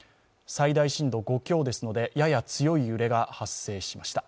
最大震度５強ですのでやや強い揺れが発生しました。